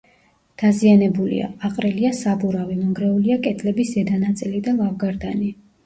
დაზიანებულია: აყრილია საბურავი, მონგრეულია კედლების ზედა ნაწილი და ლავგარდანი.